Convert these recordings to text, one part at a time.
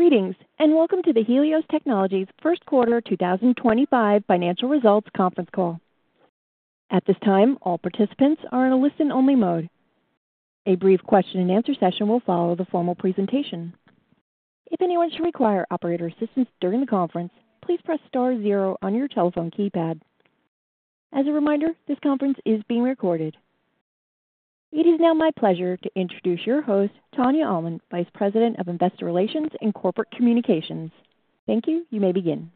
Greetings, and welcome to the Helios Technologies' first quarter 2025 financial results conference call. At this time, all participants are in a listen-only mode. A brief question-and-answer session will follow the formal presentation. If anyone should require operator assistance during the conference, please press star zero on your telephone keypad. As a reminder, this conference is being recorded. It is now my pleasure to introduce your host, Tania Almond, Vice President of Investor Relations and Corporate Communications. Thank you. You may begin.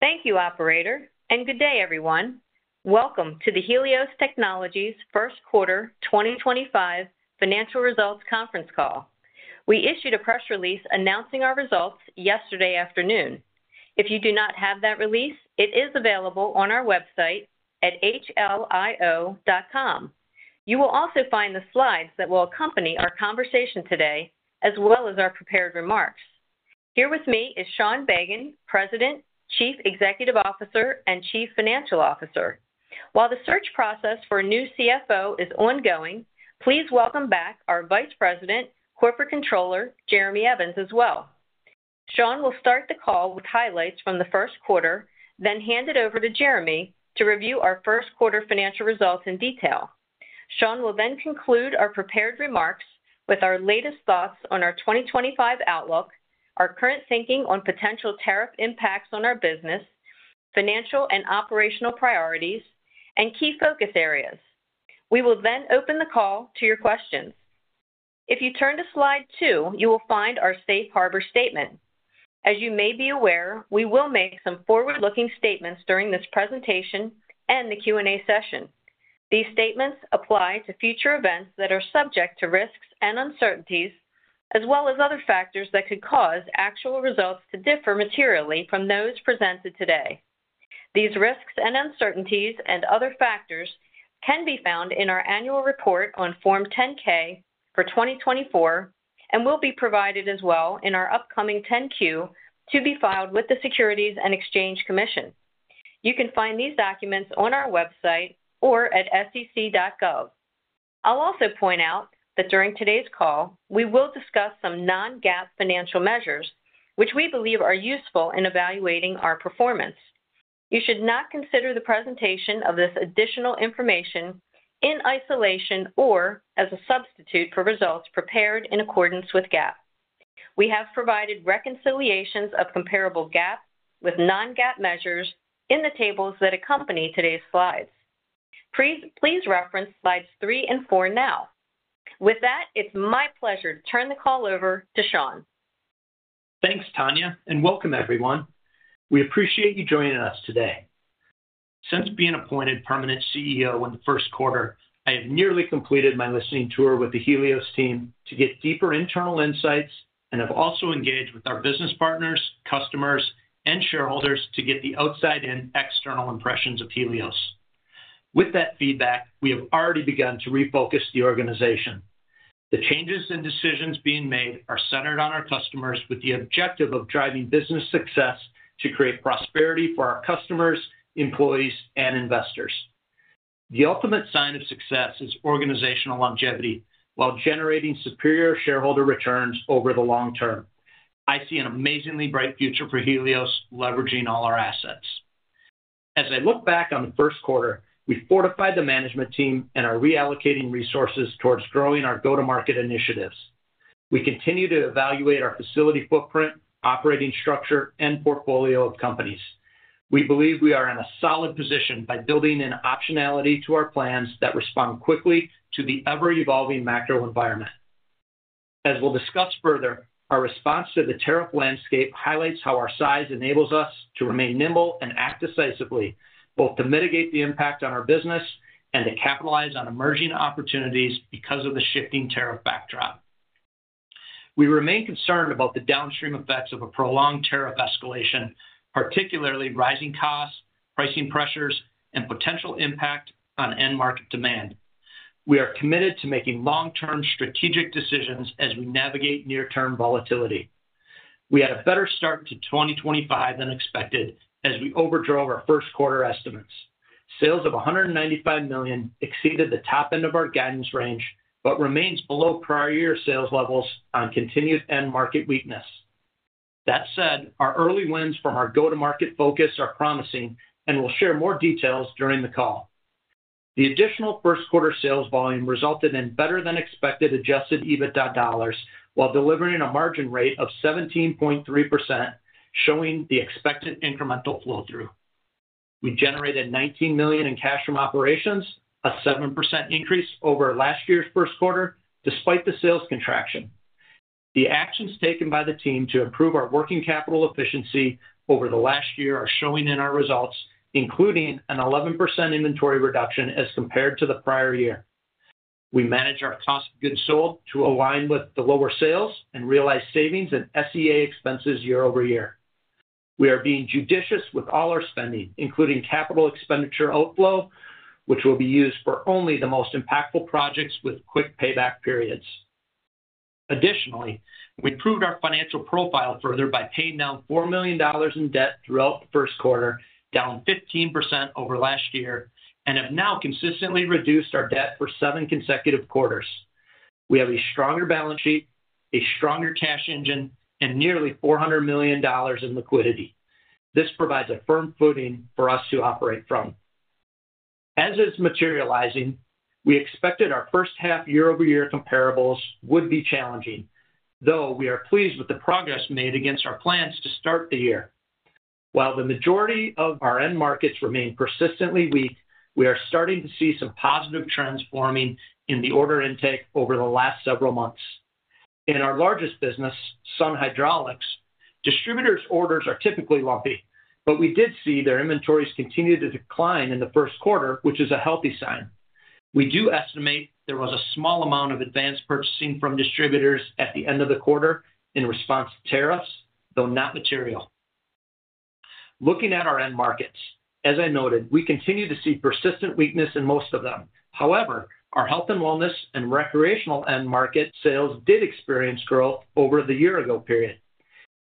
Thank you, Operator, and good day, everyone. Welcome to the Helios Technologies' first quarter 2025 financial results conference call. We issued a press release announcing our results yesterday afternoon. If you do not have that release, it is available on our website at hlio.com. You will also find the slides that will accompany our conversation today, as well as our prepared remarks. Here with me is Sean Bagan, President, Chief Executive Officer, and Chief Financial Officer. While the search process for a new CFO is ongoing, please welcome back our Vice President, Corporate Controller Jeremy Evans, as well. Sean will start the call with highlights from the first quarter, then hand it over to Jeremy to review our first quarter financial results in detail. Sean will then conclude our prepared remarks with our latest thoughts on our 2025 outlook, our current thinking on potential tariff impacts on our business, financial and operational priorities, and key focus areas. We will then open the call to your questions. If you turn to slide two, you will find our safe harbor statement. As you may be aware, we will make some forward-looking statements during this presentation and the Q&A session. These statements apply to future events that are subject to risks and uncertainties, as well as other factors that could cause actual results to differ materially from those presented today. These risks and uncertainties and other factors can be found in our annual report on Form 10-K for 2024 and will be provided as well in our upcoming 10-Q to be filed with the Securities and Exchange Commission. You can find these documents on our website or at sec.gov. I'll also point out that during today's call, we will discuss some non-GAAP financial measures, which we believe are useful in evaluating our performance. You should not consider the presentation of this additional information in isolation or as a substitute for results prepared in accordance with GAAP. We have provided reconciliations of comparable GAAP with non-GAAP measures in the tables that accompany today's slides. Please reference slides three and four now. With that, it's my pleasure to turn the call over to Sean. Thanks, Tania, and welcome, everyone. We appreciate you joining us today. Since being appointed permanent CEO in the first quarter, I have nearly completed my listening tour with the Helios team to get deeper internal insights and have also engaged with our business partners, customers, and shareholders to get the outside-in external impressions of Helios. With that feedback, we have already begun to refocus the organization. The changes and decisions being made are centered on our customers with the objective of driving business success to create prosperity for our customers, employees, and investors. The ultimate sign of success is organizational longevity while generating superior shareholder returns over the long term. I see an amazingly bright future for Helios leveraging all our assets. As I look back on the first quarter, we fortified the management team and are reallocating resources towards growing our go-to-market initiatives. We continue to evaluate our facility footprint, operating structure, and portfolio of companies. We believe we are in a solid position by building in optionality to our plans that respond quickly to the ever-evolving macro environment. As we will discuss further, our response to the tariff landscape highlights how our size enables us to remain nimble and act decisively, both to mitigate the impact on our business and to capitalize on emerging opportunities because of the shifting tariff backdrop. We remain concerned about the downstream effects of a prolonged tariff escalation, particularly rising costs, pricing pressures, and potential impact on end market demand. We are committed to making long-term strategic decisions as we navigate near-term volatility. We had a better start to 2025 than expected as we overdrove our first quarter estimates. Sales of $195 million exceeded the top end of our guidance range but remains below prior year sales levels on continued end market weakness. That said, our early wins from our go-to-market focus are promising and will share more details during the call. The additional first quarter sales volume resulted in better-than-expected adjusted EBITDA dollars while delivering a margin rate of 17.3%, showing the expected incremental flow-through. We generated $19 million in cash from operations, a 7% increase over last year's first quarter, despite the sales contraction. The actions taken by the team to improve our working capital efficiency over the last year are showing in our results, including an 11% inventory reduction as compared to the prior year. We manage our cost of goods sold to align with the lower sales and realize savings in SG&A expenses year-over-year. We are being judicious with all our spending, including capital expenditure outflow, which will be used for only the most impactful projects with quick payback periods. Additionally, we proved our financial profile further by paying down $4 million in debt throughout the first quarter, down 15% over last year, and have now consistently reduced our debt for seven consecutive quarters. We have a stronger balance sheet, a stronger cash engine, and nearly $400 million in liquidity. This provides a firm footing for us to operate from. As it's materializing, we expected our first half year-over-year comparables would be challenging, though we are pleased with the progress made against our plans to start the year. While the majority of our end markets remain persistently weak, we are starting to see some positive trends forming in the order intake over the last several months. In our largest business, Sun Hydraulics, distributors' orders are typically lumpy, but we did see their inventories continue to decline in the first quarter, which is a healthy sign. We do estimate there was a small amount of advanced purchasing from distributors at the end of the quarter in response to tariffs, though not material. Looking at our end markets, as I noted, we continue to see persistent weakness in most of them. However, our health and wellness and recreational end market sales did experience growth over the year-ago period.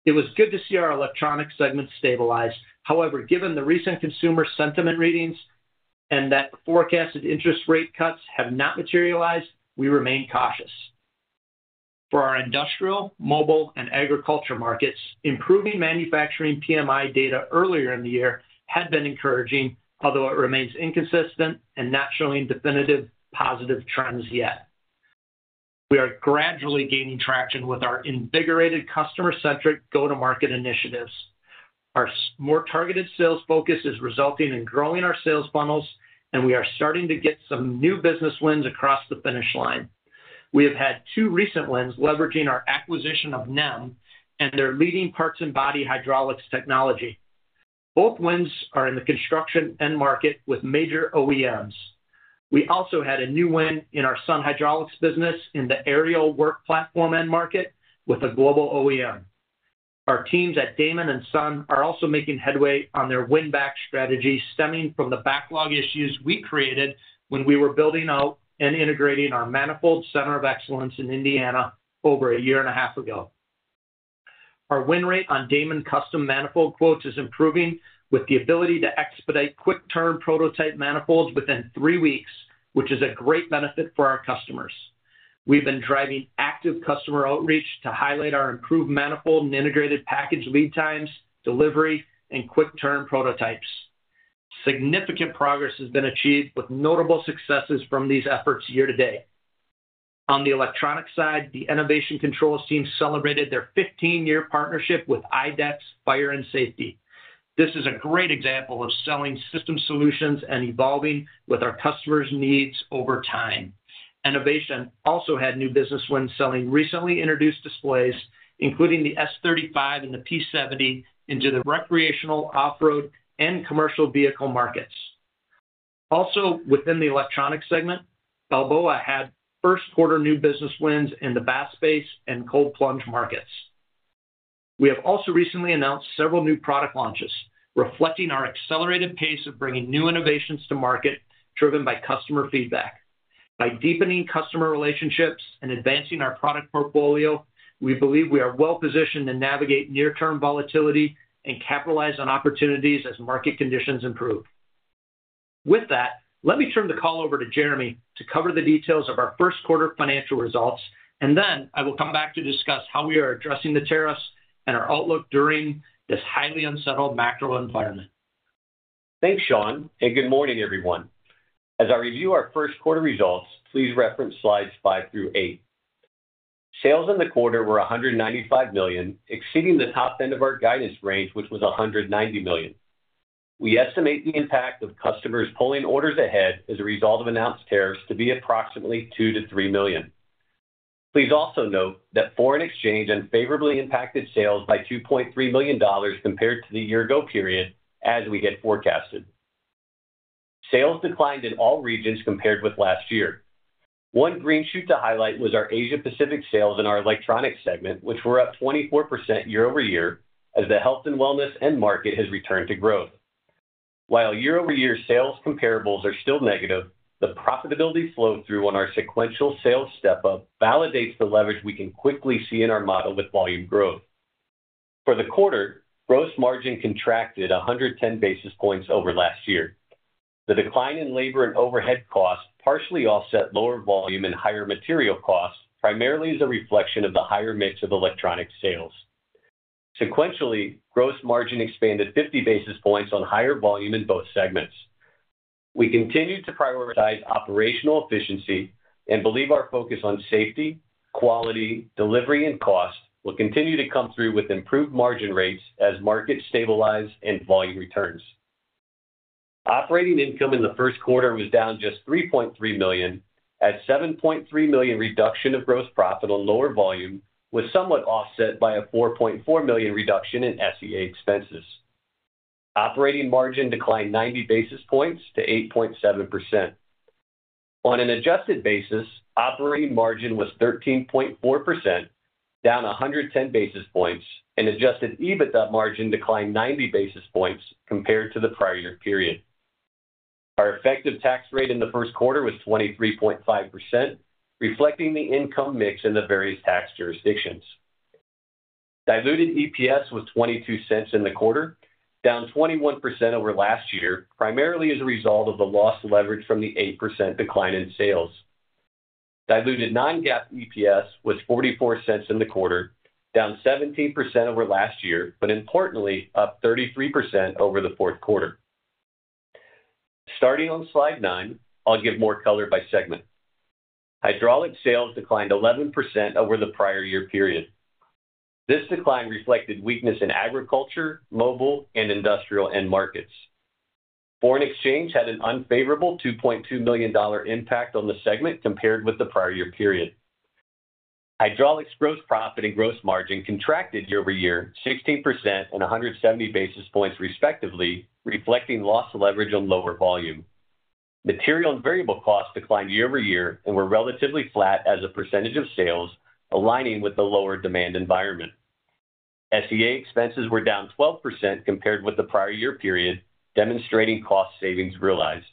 It was good to see our electronics segment stabilize. However, given the recent consumer sentiment readings and that forecasted interest rate cuts have not materialized, we remain cautious. For our industrial, mobile, and agriculture markets, improving manufacturing PMI data earlier in the year had been encouraging, although it remains inconsistent and not showing definitive positive trends yet. We are gradually gaining traction with our invigorated customer-centric go-to-market initiatives. Our more targeted sales focus is resulting in growing our sales funnels, and we are starting to get some new business wins across the finish line. We have had two recent wins leveraging our acquisition of NEM and their leading parts and body hydraulics technology. Both wins are in the construction end market with major OEMs. We also had a new win in our Sun Hydraulics business in the aerial work platform end market with a global OEM. Our teams at NEM and Sun are also making headway on their win-back strategy stemming from the backlog issues we created when we were building out and integrating our manifold center of excellence in Indiana over a year and a half ago. Our win rate on Daman custom manifold quotes is improving with the ability to expedite quick-turn prototype manifolds within three weeks, which is a great benefit for our customers. We've been driving active customer outreach to highlight our improved manifold and integrated package lead times, delivery, and quick-turn prototypes. Significant progress has been achieved with notable successes from these efforts year to date. On the electronics side, the Enovation Controls team celebrated their 15-year partnership with IDEX Fire & Safety. This is a great example of selling system solutions and evolving with our customers' needs over time. Innovation also had new business wins selling recently introduced displays, including the S35 and the P70, into the recreational, off-road, and commercial vehicle markets. Also, within the electronics segment, Balboa had first-quarter new business wins in the bath space and cold plunge markets. We have also recently announced several new product launches, reflecting our accelerated pace of bringing new innovations to market driven by customer feedback. By deepening customer relationships and advancing our product portfolio, we believe we are well-positioned to navigate near-term volatility and capitalize on opportunities as market conditions improve. With that, let me turn the call over to Jeremy to cover the details of our first quarter financial results, and then I will come back to discuss how we are addressing the tariffs and our outlook during this highly unsettled macro environment. Thanks, Sean, and good morning, everyone. As I review our first quarter results, please reference slides five through eight. Sales in the quarter were $195 million, exceeding the top end of our guidance range, which was $190 million. We estimate the impact of customers pulling orders ahead as a result of announced tariffs to be approximately $2 million-$3 million. Please also note that foreign exchange unfavorably impacted sales by $2.3 million compared to the year-ago period, as we had forecasted. Sales declined in all regions compared with last year. One green shoot to highlight was our Asia-Pacific sales in our electronics segment, which were up 24% year-over-year as the health and wellness end market has returned to growth. While year-over-year sales comparables are still negative, the profitability flow-through on our sequential sales step-up validates the leverage we can quickly see in our model with volume growth. For the quarter, gross margin contracted 110 basis points over last year. The decline in labor and overhead costs partially offset lower volume and higher material costs, primarily as a reflection of the higher mix of electronics sales. Sequentially, gross margin expanded 50 basis points on higher volume in both segments. We continue to prioritize operational efficiency and believe our focus on safety, quality, delivery, and cost will continue to come through with improved margin rates as markets stabilize and volume returns. Operating income in the first quarter was down just $3.3 million, as $7.3 million reduction of gross profit on lower volume was somewhat offset by a $4.4 million reduction in SG&A expenses. Operating margin declined 90 basis points to 8.7%. On an adjusted basis, operating margin was 13.4%, down 110 basis points, and adjusted EBITDA margin declined 90 basis points compared to the prior year period. Our effective tax rate in the first quarter was 23.5%, reflecting the income mix in the various tax jurisdictions. Diluted EPS was $0.22 in the quarter, down 21% over last year, primarily as a result of the loss leveraged from the 8% decline in sales. Diluted non-GAAP EPS was $0.44 in the quarter, down 17% over last year, but importantly, up 33% over the fourth quarter. Starting on slide nine, I'll give more color by segment. Hydraulics sales declined 11% over the prior year period. This decline reflected weakness in agriculture, mobile, and industrial end markets. Foreign exchange had an unfavorable $2.2 million impact on the segment compared with the prior year period. Hydraulics gross profit and gross margin contracted year-over-year 16% and 170 basis points respectively, reflecting loss leverage on lower volume. Material and variable costs declined year-over-year and were relatively flat as a percentage of sales, aligning with the lower demand environment. SG&A expenses were down 12% compared with the prior year period, demonstrating cost savings realized.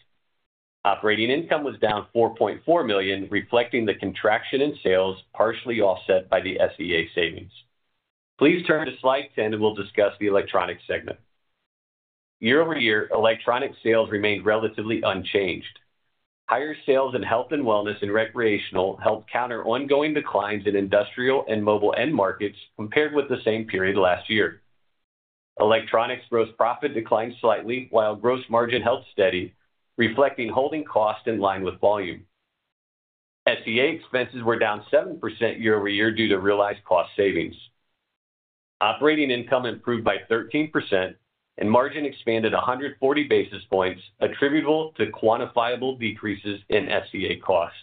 Operating income was down $4.4 million, reflecting the contraction in sales, partially offset by the SG&A savings. Please turn to slide 10, and we'll discuss the electronics segment. Year-over-year, electronics sales remained relatively unchanged. Higher sales in health and wellness and recreational helped counter ongoing declines in industrial and mobile end markets compared with the same period last year. Electronics gross profit declined slightly, while gross margin held steady, reflecting holding cost in line with volume. SG&A expenses were down 7% year-over-year due to realized cost savings. Operating income improved by 13%, and margin expanded 140 basis points, attributable to quantifiable decreases in SG&A cost.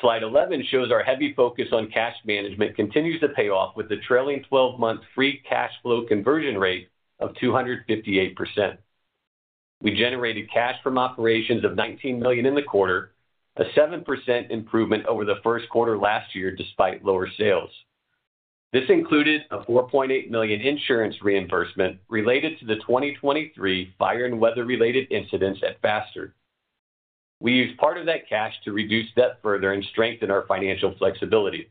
Slide 11 shows our heavy focus on cash management continues to pay off with the trailing 12-month free cash flow conversion rate of 258%. We generated cash from operations of $19 million in the quarter, a 7% improvement over the first quarter last year despite lower sales. This included a $4.8 million insurance reimbursement related to the 2023 fire and weather-related incidents at Faster. We used part of that cash to reduce debt further and strengthen our financial flexibility.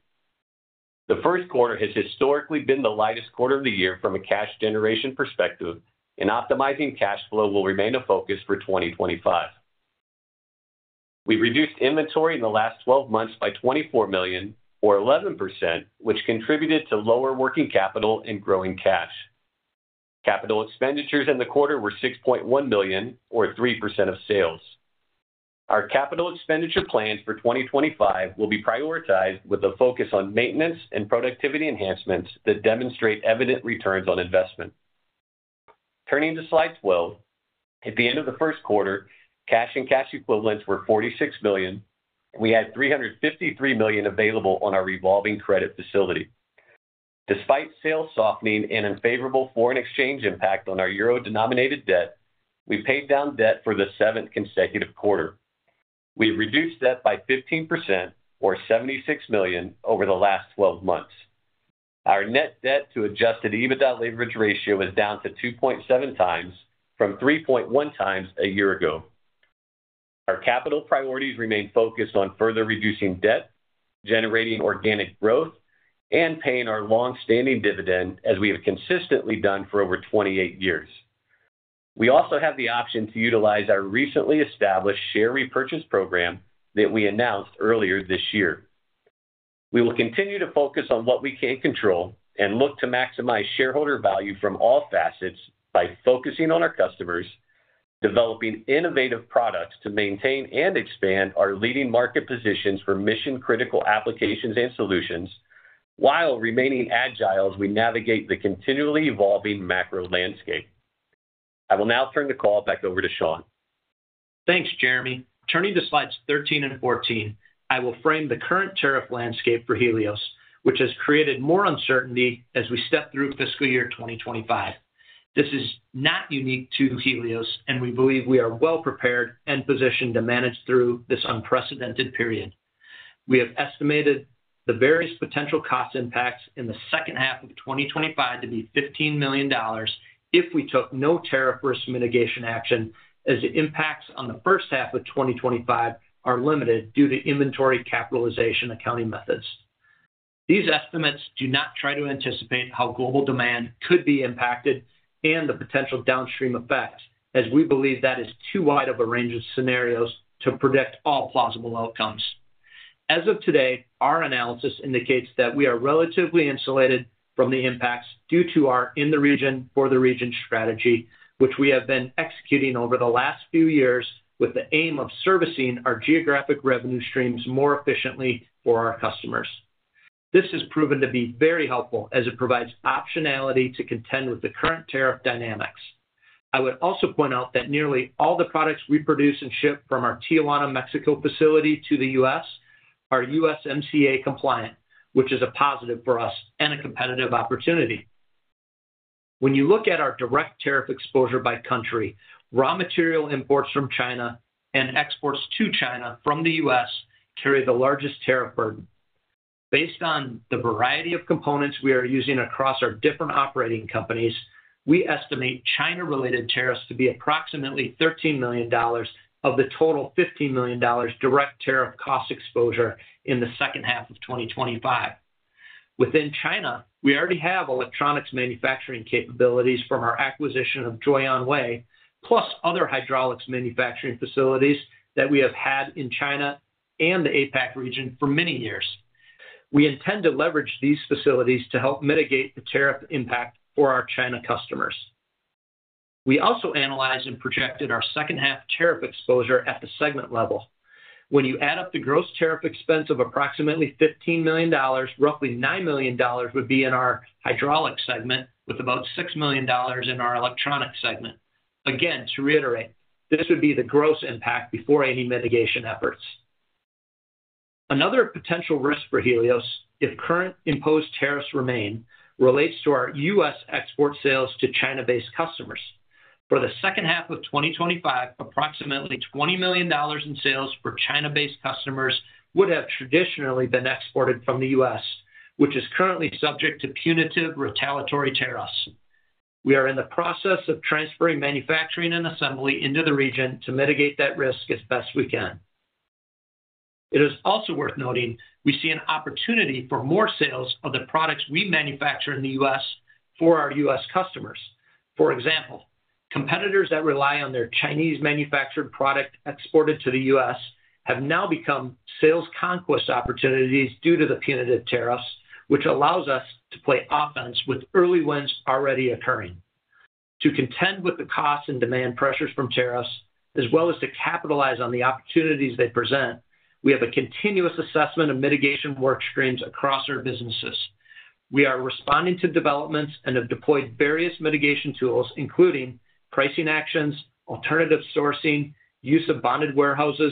The first quarter has historically been the lightest quarter of the year from a cash generation perspective, and optimizing cash flow will remain a focus for 2025. We reduced inventory in the last 12 months by $24 million, or 11%, which contributed to lower working capital and growing cash. Capital expenditures in the quarter were $6.1 million, or 3% of sales. Our capital expenditure plans for 2025 will be prioritized with a focus on maintenance and productivity enhancements that demonstrate evident returns on investment. Turning to slide 12, at the end of the first quarter, cash and cash equivalents were $46 million, and we had $353 million available on our revolving credit facility. Despite sales softening and unfavorable foreign exchange impact on our euro-denominated debt, we paid down debt for the seventh consecutive quarter. We have reduced debt by 15%, or $76 million, over the last 12 months. Our net debt to adjusted EBITDA leverage ratio is down to 2.7 times from 3.1 times a year ago. Our capital priorities remain focused on further reducing debt, generating organic growth, and paying our long-standing dividend as we have consistently done for over 28 years. We also have the option to utilize our recently established share repurchase program that we announced earlier this year. We will continue to focus on what we can control and look to maximize shareholder value from all facets by focusing on our customers, developing innovative products to maintain and expand our leading market positions for mission-critical applications and solutions, while remaining agile as we navigate the continually evolving macro landscape. I will now turn the call back over to Sean. Thanks, Jeremy. Turning to slides 13 and 14, I will frame the current tariff landscape for Helios, which has created more uncertainty as we step through fiscal year 2025. This is not unique to Helios, and we believe we are well-prepared and positioned to manage through this unprecedented period. We have estimated the various potential cost impacts in the second half of 2025 to be $15 million if we took no tariff risk mitigation action, as the impacts on the first half of 2025 are limited due to inventory capitalization accounting methods. These estimates do not try to anticipate how global demand could be impacted and the potential downstream effects, as we believe that is too wide of a range of scenarios to predict all plausible outcomes. As of today, our analysis indicates that we are relatively insulated from the impacts due to our in-the-region, for-the-region strategy, which we have been executing over the last few years with the aim of servicing our geographic revenue streams more efficiently for our customers. This has proven to be very helpful as it provides optionality to contend with the current tariff dynamics. I would also point out that nearly all the products we produce and ship from our Tijuana, Mexico facility to the U.S. are USMCA compliant, which is a positive for us and a competitive opportunity. When you look at our direct tariff exposure by country, raw material imports from China and exports to China from the U.S. carry the largest tariff burden. Based on the variety of components we are using across our different operating companies, we estimate China-related tariffs to be approximately $13 million of the total $15 million direct tariff cost exposure in the second half of 2025. Within China, we already have electronics manufacturing capabilities from our acquisition of Joyonway, plus other hydraulics manufacturing facilities that we have had in China and the APAC region for many years. We intend to leverage these facilities to help mitigate the tariff impact for our China customers. We also analyzed and projected our second-half tariff exposure at the segment level. When you add up the gross tariff expense of approximately $15 million, roughly $9 million would be in our hydraulics segment, with about $6 million in our electronics segment. Again, to reiterate, this would be the gross impact before any mitigation efforts. Another potential risk for Helios, if current imposed tariffs remain, relates to our U.S. export sales to China-based customers. For the second half of 2025, approximately $20 million in sales for China-based customers would have traditionally been exported from the U.S., which is currently subject to punitive retaliatory tariffs. We are in the process of transferring manufacturing and assembly into the region to mitigate that risk as best we can. It is also worth noting we see an opportunity for more sales of the products we manufacture in the U.S. for our U.S. customers. For example, competitors that rely on their Chinese-manufactured product exported to the U.S. have now become sales conquest opportunities due to the punitive tariffs, which allows us to play offense with early wins already occurring. To contend with the cost and demand pressures from tariffs, as well as to capitalize on the opportunities they present, we have a continuous assessment of mitigation workstreams across our businesses. We are responding to developments and have deployed various mitigation tools, including pricing actions, alternative sourcing, use of bonded warehouses,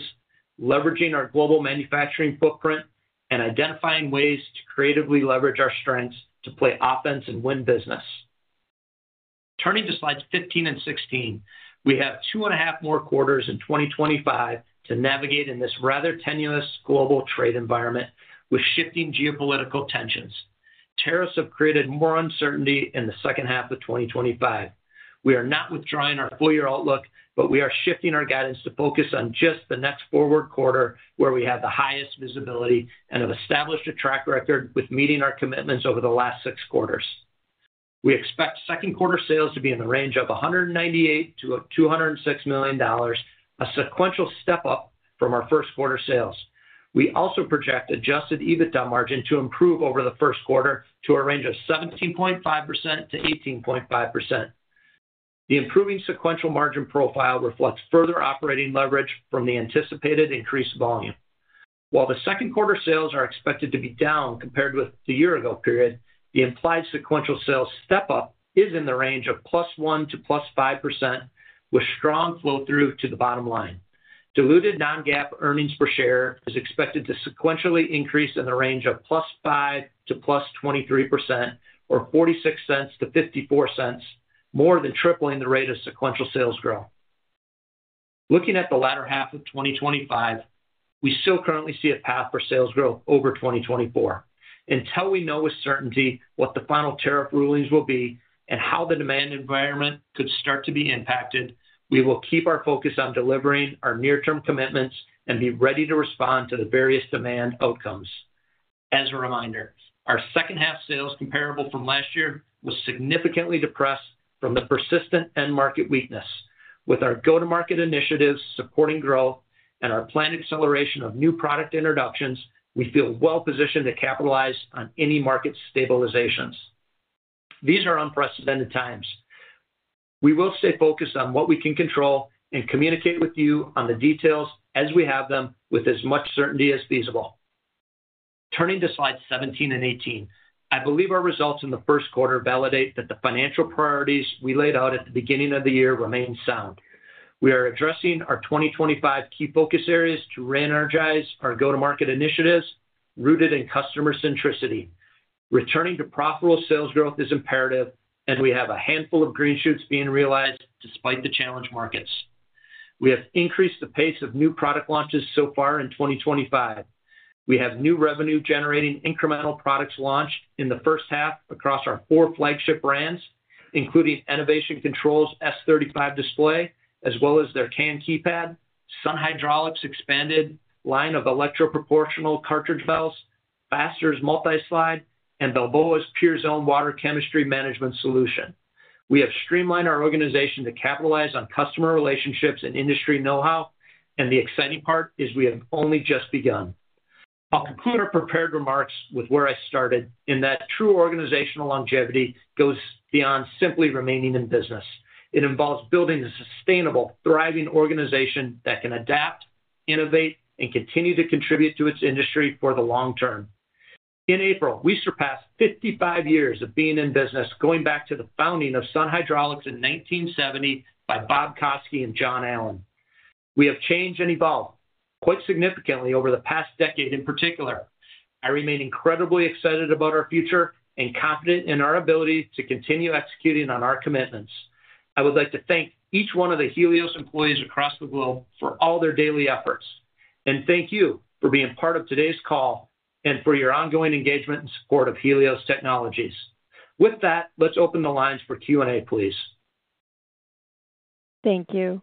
leveraging our global manufacturing footprint, and identifying ways to creatively leverage our strengths to play offense and win business. Turning to slides 15 and 16, we have two and a half more quarters in 2025 to navigate in this rather tenuous global trade environment with shifting geopolitical tensions. Tariffs have created more uncertainty in the second half of 2025. We are not withdrawing our full-year outlook, but we are shifting our guidance to focus on just the next forward quarter where we have the highest visibility and have established a track record with meeting our commitments over the last six quarters. We expect second-quarter sales to be in the range of $198 milion-$206 million, a sequential step-up from our first-quarter sales. We also project adjusted EBITDA margin to improve over the first quarter to a range of 17.5%-18.5%. The improving sequential margin profile reflects further operating leverage from the anticipated increased volume. While the second-quarter sales are expected to be down compared with the year-ago period, the implied sequential sales step-up is in the range of +1% to +5%, with strong flow-through to the bottom line. Diluted non-GAAP earnings per share is expected to sequentially increase in the range of +5% to +23%, or $0.46-$0.54, more than tripling the rate of sequential sales growth. Looking at the latter half of 2025, we still currently see a path for sales growth over 2024. Until we know with certainty what the final tariff rulings will be and how the demand environment could start to be impacted, we will keep our focus on delivering our near-term commitments and be ready to respond to the various demand outcomes. As a reminder, our second-half sales comparable from last year was significantly depressed from the persistent end-market weakness. With our go-to-market initiatives supporting growth and our planned acceleration of new product introductions, we feel well-positioned to capitalize on any market stabilizations. These are unprecedented times. We will stay focused on what we can control and communicate with you on the details as we have them with as much certainty as feasible. Turning to slides 17 and 18, I believe our results in the first quarter validate that the financial priorities we laid out at the beginning of the year remain sound. We are addressing our 2025 key focus areas to re-energize our go-to-market initiatives rooted in customer centricity. Returning to profitable sales growth is imperative, and we have a handful of green shoots being realized despite the challenge markets. We have increased the pace of new product launches so far in 2025. We have new revenue-generating incremental products launched in the first half across our four flagship brands, including Enovation Controls S35 display, as well as their CAN Keypad, Sun Hydraulics' expanded line of electroproportional cartridge valves, Faster's MultiSlide, and Balboa's PureZone water chemistry management solution. We have streamlined our organization to capitalize on customer relationships and industry know-how, and the exciting part is we have only just begun. I'll conclude our prepared remarks with where I started, in that true organizational longevity goes beyond simply remaining in business. It involves building a sustainable, thriving organization that can adapt, innovate, and continue to contribute to its industry for the long term. In April, we surpassed 55 years of being in business, going back to the founding of Sun Hydraulics in 1970 by Bob Kosky and John Allen. We have changed and evolved quite significantly over the past decade in particular. I remain incredibly excited about our future and confident in our ability to continue executing on our commitments. I would like to thank each one of the Helios employees across the globe for all their daily efforts, and thank you for being part of today's call and for your ongoing engagement and support of Helios Technologies. With that, let's open the lines for Q&A, please. Thank you.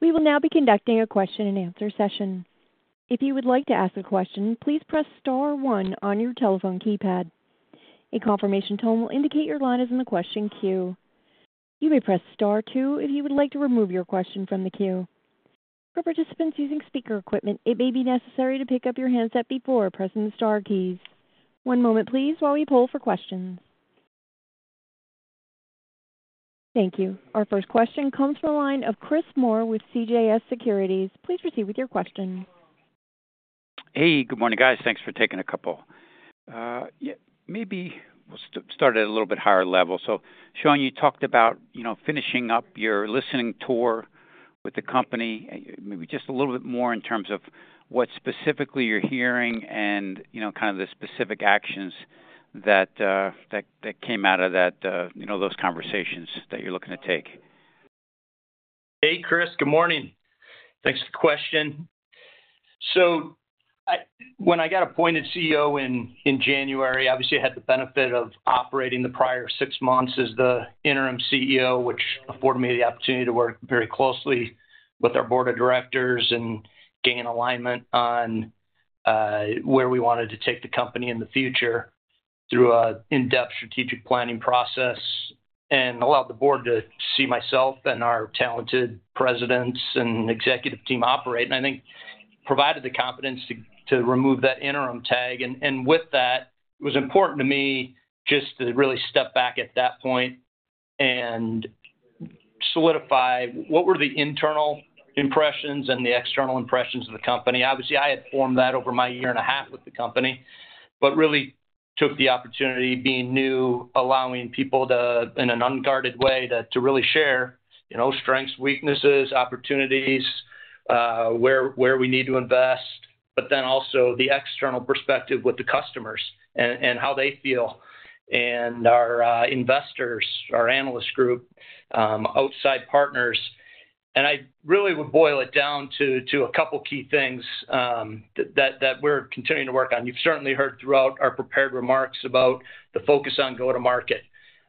We will now be conducting a question-and-answer session. If you would like to ask a question, please press star one on your telephone keypad. A confirmation tone will indicate your line is in the question queue. You may press star two if you would like to remove your question from the queue. For participants using speaker equipment, it may be necessary to pick up your handset before pressing the star keys. One moment, please, while we pull for questions. Thank you. Our first question comes from a line of Chris Moore with CJS Securities. Please proceed with your question. Hey, good morning, guys. Thanks for taking a couple. Maybe we'll start at a little bit higher level. Sean, you talked about finishing up your listening tour with the company, maybe just a little bit more in terms of what specifically you're hearing and kind of the specific actions that came out of those conversations that you're looking to take. Hey, Chris, good morning. Thanks for the question. When I got appointed CEO in January, obviously, I had the benefit of operating the prior six months as the interim CEO, which afforded me the opportunity to work very closely with our Board of Directors and gain alignment on where we wanted to take the company in the future through an in-depth strategic planning process and allowed the board to see myself and our talented presidents and executive team operate. I think it provided the confidence to remove that interim tag. With that, it was important to me just to really step back at that point and solidify what were the internal impressions and the external impressions of the company. Obviously, I had formed that over my year and a half with the company, but really took the opportunity, being new, allowing people in an unguarded way to really share strengths, weaknesses, opportunities, where we need to invest, but then also the external perspective with the customers and how they feel and our investors, our analyst group, outside partners. I really would boil it down to a couple of key things that we're continuing to work on. You've certainly heard throughout our prepared remarks about the focus on go-to-market.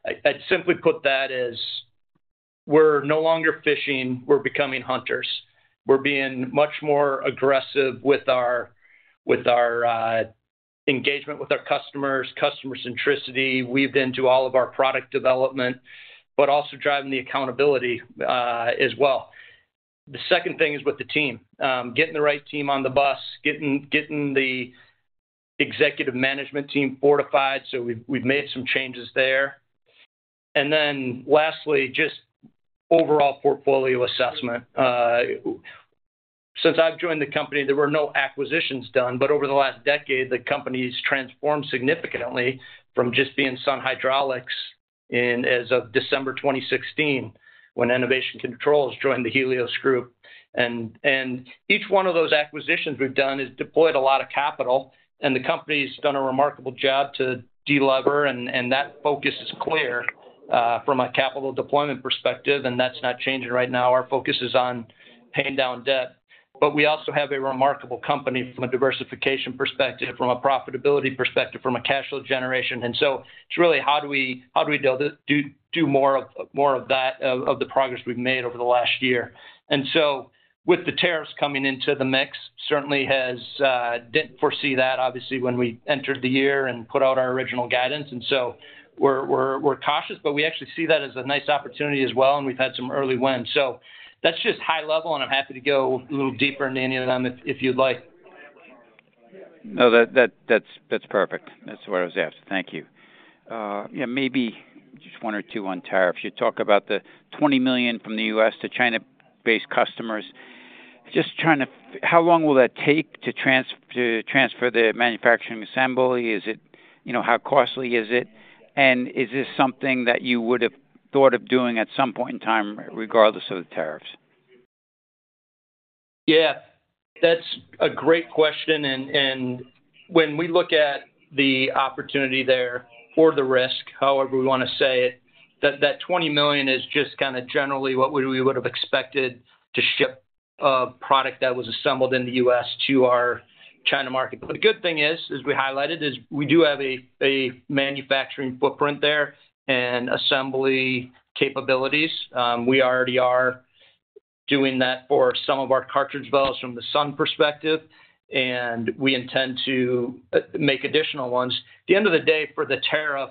I'd simply put that as we're no longer fishing; we're becoming hunters. We're being much more aggressive with our engagement with our customers, customer centricity. We've been to all of our product development, but also driving the accountability as well. The second thing is with the team, getting the right team on the bus, getting the executive management team fortified. We have made some changes there. Lastly, just overall portfolio assessment. Since I have joined the company, there were no acquisitions done, but over the last decade, the company has transformed significantly from just being Sun Hydraulics as of December 2016 when Enovation Controls joined the Helios Group. Each one of those acquisitions we have done has deployed a lot of capital, and the company has done a remarkable job to deliver, and that focus is clear from a capital deployment perspective, and that is not changing right now. Our focus is on paying down debt, but we also have a remarkable company from a diversification perspective, from a profitability perspective, from a cash flow generation perspective. It is really how do we do more of that, of the progress we have made over the last year. With the tariffs coming into the mix, certainly did not foresee that, obviously, when we entered the year and put out our original guidance. We are cautious, but we actually see that as a nice opportunity as well, and we have had some early wins. That is just high level, and I am happy to go a little deeper into any of them if you would like. No, that's perfect. That's what I was after. Thank you. Yeah, maybe just one or two on tariffs. You talk about the $20 million from the U.S. to China-based customers. Just trying to understand how long will that take to transfer the manufacturing assembly? How costly is it? And is this something that you would have thought of doing at some point in time, regardless of the tariffs? Yeah, that's a great question. When we look at the opportunity there or the risk, however we want to say it, that $20 million is just kind of generally what we would have expected to ship a product that was assembled in the U.S. to our China market. The good thing is, as we highlighted, we do have a manufacturing footprint there and assembly capabilities. We already are doing that for some of our cartridge valves from the Sun perspective, and we intend to make additional ones. At the end of the day, for the tariff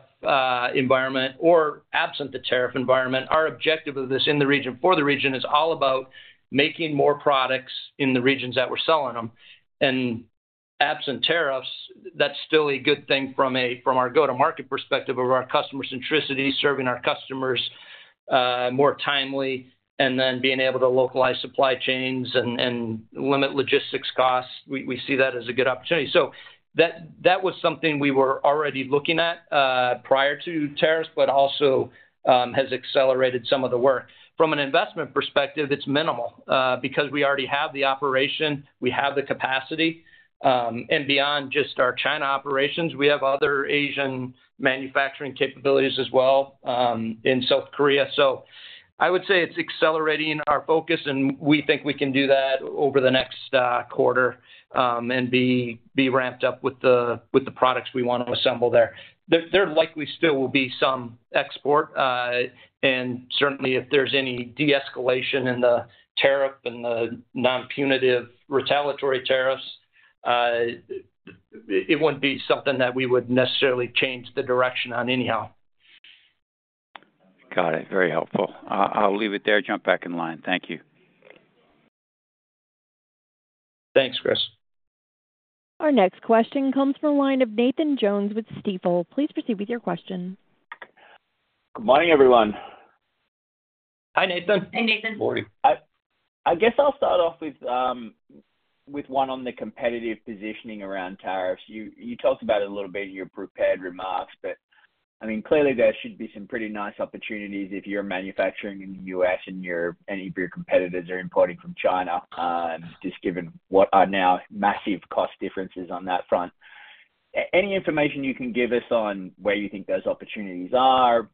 environment or absent the tariff environment, our objective of this in the region for the region is all about making more products in the regions that we're selling them. Absent tariffs, that's still a good thing from our go-to-market perspective of our customer centricity, serving our customers more timely, and then being able to localize supply chains and limit logistics costs. We see that as a good opportunity. That was something we were already looking at prior to tariffs, but also has accelerated some of the work. From an investment perspective, it's minimal because we already have the operation, we have the capacity. Beyond just our China operations, we have other Asian manufacturing capabilities as well in South Korea. I would say it's accelerating our focus, and we think we can do that over the next quarter and be ramped up with the products we want to assemble there. There likely still will be some export, and certainly if there is any de-escalation in the tariff and the non-punitive retaliatory tariffs, it would not be something that we would necessarily change the direction on anyhow. Got it. Very helpful. I'll leave it there. Jump back in line. Thank you. Thanks, Chris. Our next question comes from a line of Nathan Jones with Stifel. Please proceed with your question. Good morning, everyone. Hi, Nathan. Hi, Nathan. Morning. I guess I'll start off with one on the competitive positioning around tariffs. You talked about it a little bit in your prepared remarks, but I mean, clearly there should be some pretty nice opportunities if you're manufacturing in the U.S. and any of your competitors are importing from China, just given what are now massive cost differences on that front. Any information you can give us on where you think those opportunities are,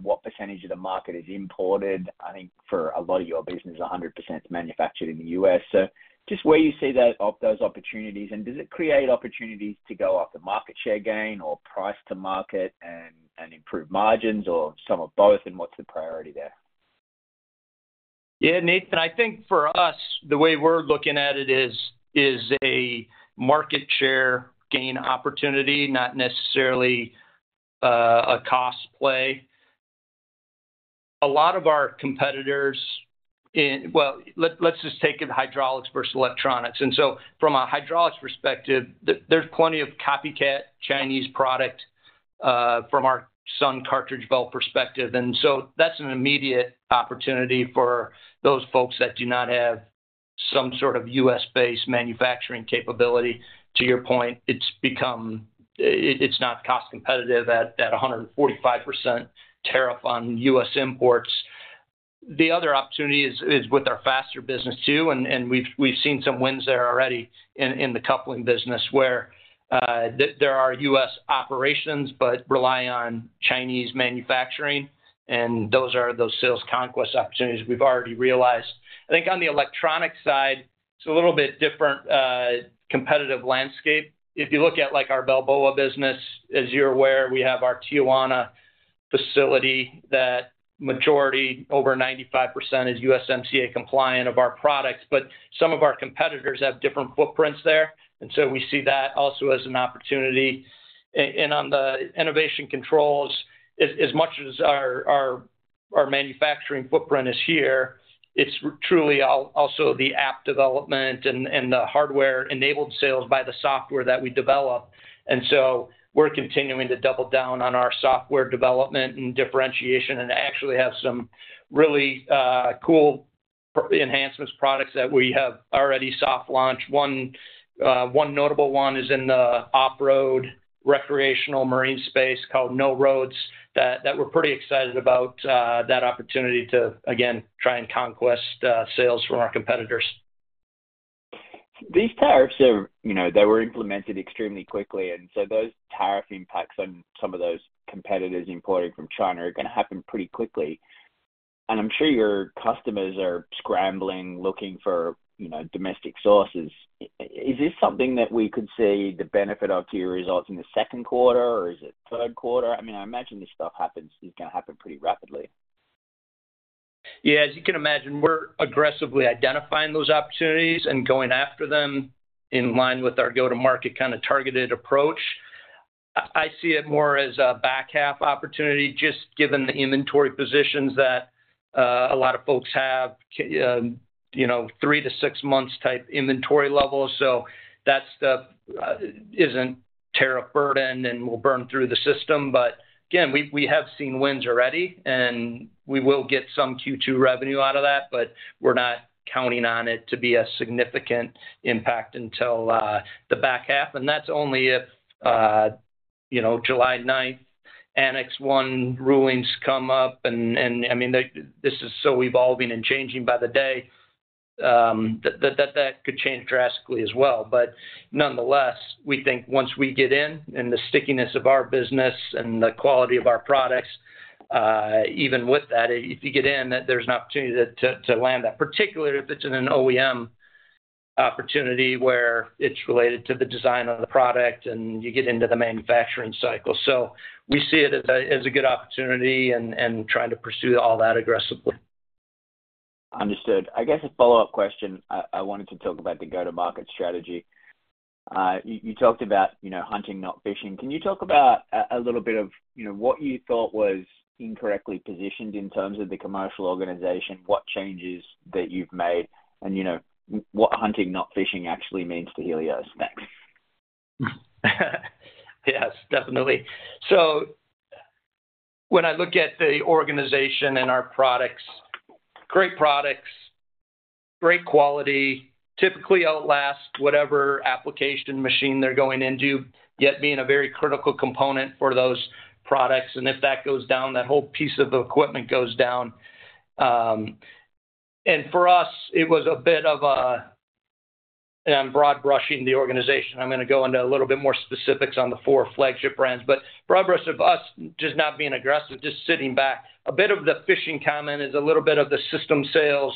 what percentage of the market is imported? I think for a lot of your business, 100% is manufactured in the U.S. Just where you see those opportunities, and does it create opportunities to go after market share gain or price to market and improve margins or some of both, and what's the priority there? Yeah, Nathan, I think for us, the way we're looking at it is a market share gain opportunity, not necessarily a cost play. A lot of our competitors, well, let's just take it hydraulics versus electronics. From a hydraulics perspective, there's plenty of copycat Chinese product from our Sun Hydraulics cartridge valve perspective. That's an immediate opportunity for those folks that do not have some sort of U.S.-based manufacturing capability. To your point, it's not cost competitive at a 145% tariff on U.S. imports. The other opportunity is with our Faster business too, and we've seen some wins there already in the coupling business where there are U.S. operations but rely on Chinese manufacturing, and those are those sales conquest opportunities we've already realized. I think on the electronics side, it's a little bit different competitive landscape. If you look at our Balboa business, as you're aware, we have our Tijuana facility that majority, over 95%, is USMCA compliant of our products, but some of our competitors have different footprints there. We see that also as an opportunity. On the Enovation Controls, as much as our manufacturing footprint is here, it's truly also the app development and the hardware-enabled sales by the software that we develop. We're continuing to double down on our software development and differentiation and actually have some really cool enhancements products that we have already soft launched. One notable one is in the off-road recreational marine space called No Roads that we're pretty excited about that opportunity to, again, try and conquest sales from our competitors. These tariffs that were implemented extremely quickly, and so those tariff impacts on some of those competitors importing from China are going to happen pretty quickly. I'm sure your customers are scrambling, looking for domestic sources. Is this something that we could see the benefit of to your results in the second quarter, or is it third quarter? I mean, I imagine this stuff is going to happen pretty rapidly. Yeah, as you can imagine, we're aggressively identifying those opportunities and going after them in line with our go-to-market kind of targeted approach. I see it more as a back half opportunity, just given the inventory positions that a lot of folks have, three- to six-month type inventory levels. That isn't tariff burden and will burn through the system. Again, we have seen wins already, and we will get some Q2 revenue out of that, but we're not counting on it to be a significant impact until the back half. That is only if July 9 Annex 1 rulings come up. I mean, this is so evolving and changing by the day that that could change drastically as well. Nonetheless, we think once we get in and the stickiness of our business and the quality of our products, even with that, if you get in, there's an opportunity to land that, particularly if it's in an OEM opportunity where it's related to the design of the product and you get into the manufacturing cycle. We see it as a good opportunity and are trying to pursue all that aggressively. Understood. I guess a follow-up question. I wanted to talk about the go-to-market strategy. You talked about hunting, not fishing. Can you talk about a little bit of what you thought was incorrectly positioned in terms of the commercial organization, what changes that you've made, and what hunting, not fishing actually means to Helios? Thanks. Yes, definitely. When I look at the organization and our products, great products, great quality, typically outlast whatever application machine they're going into, yet being a very critical component for those products. If that goes down, that whole piece of equipment goes down. For us, it was a bit of a, and I'm broad brushing the organization. I'm going to go into a little bit more specifics on the four flagship brands, but broad brush of us just not being aggressive, just sitting back. A bit of the fishing comment is a little bit of the system sales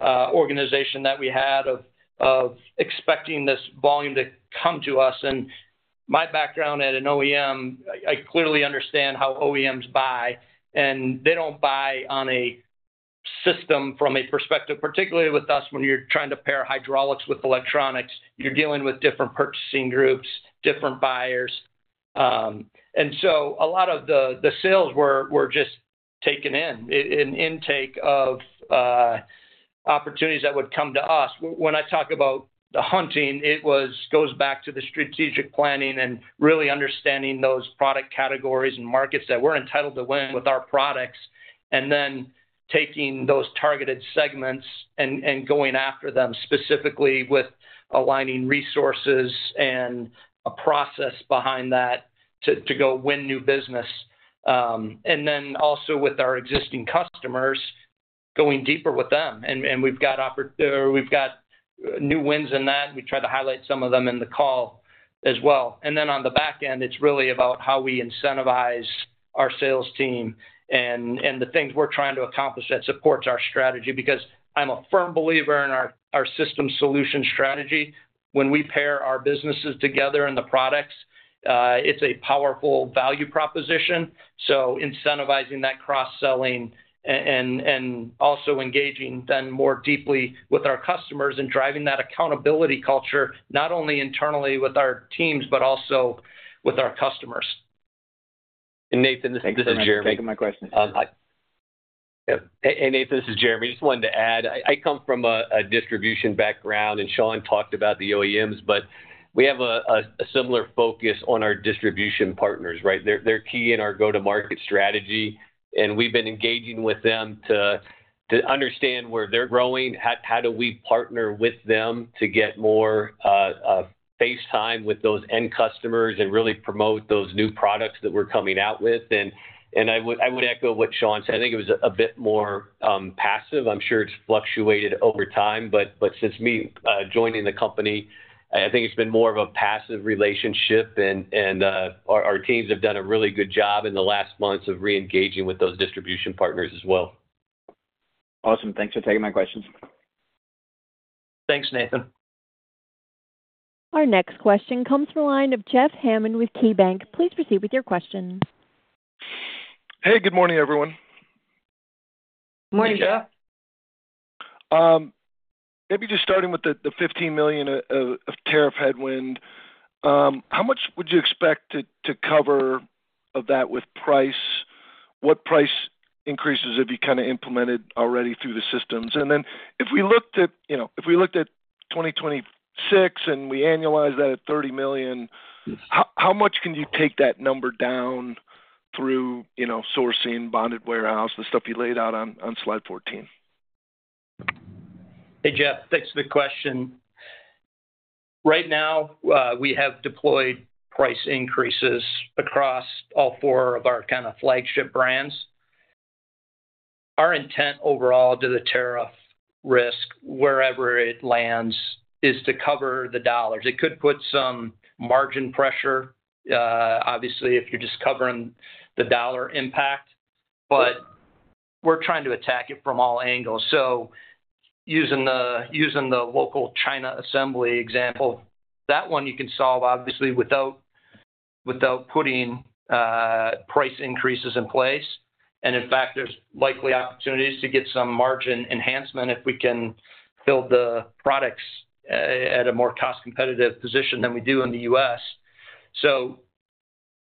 organization that we had of expecting this volume to come to us. My background at an OEM, I clearly understand how OEMs buy, and they don't buy on a system from a perspective, particularly with us when you're trying to pair hydraulics with electronics. You're dealing with different purchasing groups, different buyers. A lot of the sales were just taken in, an intake of opportunities that would come to us. When I talk about the hunting, it goes back to the strategic planning and really understanding those product categories and markets that we're entitled to win with our products, and then taking those targeted segments and going after them specifically with aligning resources and a process behind that to go win new business. Also with our existing customers, going deeper with them. We've got new wins in that. We tried to highlight some of them in the call as well. On the back end, it's really about how we incentivize our sales team and the things we're trying to accomplish that supports our strategy because I'm a firm believer in our system solution strategy. When we pair our businesses together and the products, it's a powerful value proposition. Incentivizing that cross-selling and also engaging then more deeply with our customers and driving that accountability culture, not only internally with our teams, but also with our customers. Nathan, this is Jeremy. Thanks for taking my question. Hey, Nathan, this is Jeremy. Just wanted to add. I come from a distribution background, and Sean talked about the OEMs, but we have a similar focus on our distribution partners, right? They're key in our go-to-market strategy, and we've been engaging with them to understand where they're growing. How do we partner with them to get more face time with those end customers and really promote those new products that we're coming out with? I would echo what Sean said. I think it was a bit more passive. I'm sure it's fluctuated over time, but since me joining the company, I think it's been more of a passive relationship, and our teams have done a really good job in the last months of re-engaging with those distribution partners as well. Awesome. Thanks for taking my questions. Thanks, Nathan. Our next question comes from a line of Jeff Hammond with KeyBanc. Please proceed with your question. Hey, good morning, everyone. Good morning, Jeff. Maybe just starting with the $15 million of tariff headwind, how much would you expect to cover of that with price? What price increases have you kind of implemented already through the systems? If we looked at 2026 and we annualize that at $30 million, how much can you take that number down through sourcing, bonded warehouse, the stuff you laid out on slide 14? Hey, Jeff, thanks for the question. Right now, we have deployed price increases across all four of our kind of flagship brands. Our intent overall to the tariff risk, wherever it lands, is to cover the dollars. It could put some margin pressure, obviously, if you're just covering the dollar impact, but we're trying to attack it from all angles. Using the local China assembly example, that one you can solve, obviously, without putting price increases in place. In fact, there's likely opportunities to get some margin enhancement if we can build the products at a more cost competitive position than we do in the U.S.